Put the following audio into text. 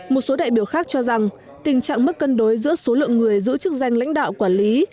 một số đại biểu khác cho rằng tình trạng mất cân đối giữa số lượng người giữ chức danh lãnh đạo quản lý